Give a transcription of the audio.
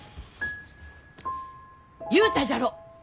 言うたじゃろ！